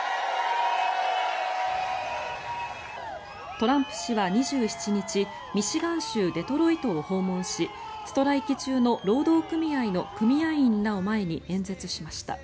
トランプ氏は２７日ミシガン州デトロイトを訪問しストライキ中の労働組合の組合員らを前に演説しました。